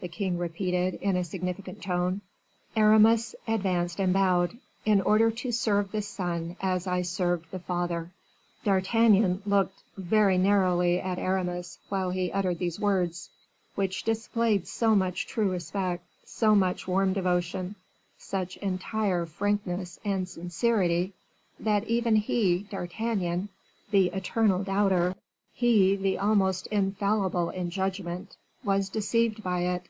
the king repeated, in a significant tone. Aramis advanced and bowed: "In order to serve the son as I served the father." D'Artagnan looked very narrowly at Aramis while he uttered these words, which displayed so much true respect, so much warm devotion, such entire frankness and sincerity, that even he, D'Artagnan, the eternal doubter, he, the almost infallible in judgment, was deceived by it.